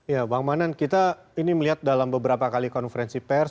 ya bang manan kita ini melihat dalam beberapa kali konferensi pers